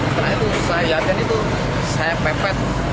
setelah itu saya lihatnya itu saya pepet